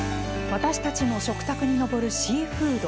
私たちの食卓に上るシーフード。